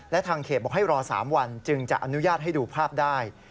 และทางเขตบอกให้รอ๓วันจึงจะอนุญาตให้ดูภาพได้